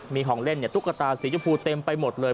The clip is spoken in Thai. มีของเล่นตุ๊กตาสีชมพูเต็มไปหมดเลย